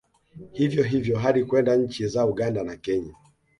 Hivyo hivyo hadi kwenda nchi za Uganda na Kenya